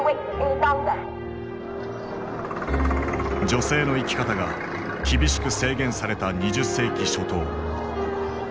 女性の生き方が厳しく制限された２０世紀初頭。